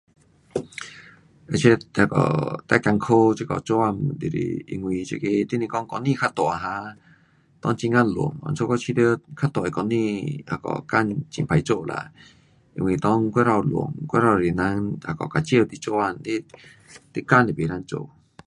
这那个最困苦这个做工就是因为这个你若讲公司较大哈，内很呀乱，因此我觉得较大的公司那个工很坏做啦。因为内过头乱，过头多人那个 kacau 你做工。你，你工都不能做。